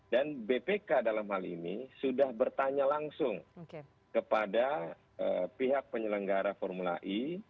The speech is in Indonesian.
dan bpk dalam hal ini sudah bertanya langsung kepada pihak penyelenggara formula e